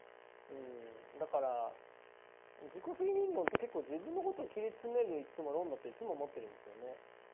だから自己責任論って結構自分のことを切り詰める論だっていつも思ってるんですよね。